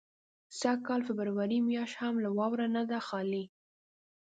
سږ کال فبروري میاشت هم له واورو نه ده خالي.